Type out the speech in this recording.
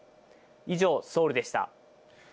以上、ソウルでした。